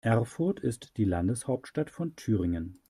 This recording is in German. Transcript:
Erfurt ist die Landeshauptstadt von Thüringen.